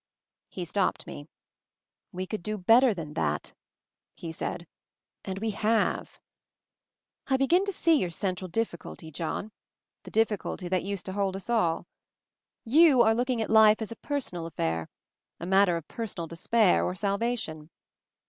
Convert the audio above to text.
He stopped me. "We could do better than that," he said, "and we have. I begin to see your central difficulty, John; the dif ficulty that used to hold us all. You are looking at life as a personal affair — a matter of personal despair or salvation."